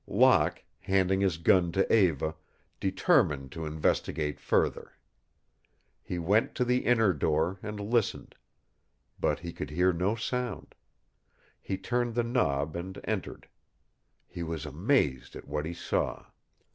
Locke, handing his gun to Eva, determined to investigate further. He went to the inner door and listened. But he could hear no sound. He turned the knob and entered. He was amazed at what he saw.